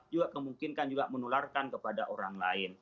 juga kemungkinan juga menularkan kepada orang lain